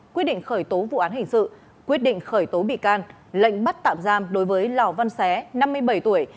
quyết định khởi tố vụ án hình sự quyết định khởi tố bị can lệnh bắt tạm giam đối với lò văn xé năm mươi bảy tuổi